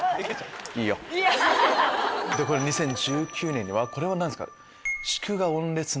２０１９年にこれは何ですか？